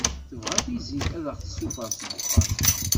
Tebɣa tizit ad aɣ-tessufeɣ seg uxxam.